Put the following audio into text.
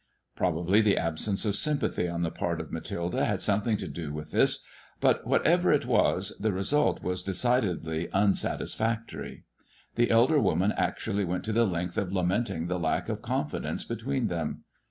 Probably the absence of sympathy on the part of Mathilde had something to do with this, but whatever it was, the result was decidedly unsatisfactory. The elder woman actually went the length of lamenting the lack of confidence between them.